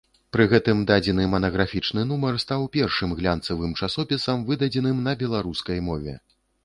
Пры гэтым дадзены манаграфічны нумар стаў першым глянцавым часопісам, выдадзеным на беларускай мове.